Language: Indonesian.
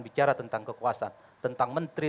bicara tentang kekuasaan tentang menteri